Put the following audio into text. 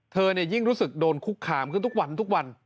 ยิ่งรู้สึกโดนคุกคามขึ้นทุกวันทุกวัน